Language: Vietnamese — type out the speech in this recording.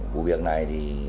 vụ việc này